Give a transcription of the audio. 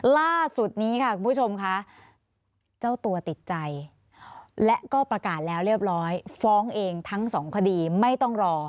ล่าสุดนี้ค่ะคุณผู้ชมค่ะเจ้าตัวติดใจและก็ประกาศแล้วเรียบร้อยฟ้องเองทั้งสองคดีไม่ต้องรอ